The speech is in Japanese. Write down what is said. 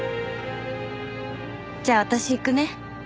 じゃあ私行くね。